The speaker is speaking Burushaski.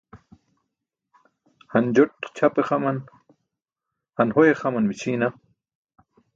han joṭ ćʰape xaman, han hoye xaman mićʰiina?